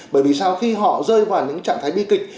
bởi vì sau khi họ rơi vào những trạng thái bi kịch